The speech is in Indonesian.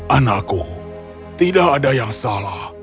anakku tidak ada yang salah